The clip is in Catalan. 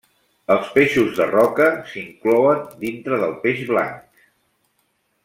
Els peixos de roca s'inclouen dintre del peix blanc.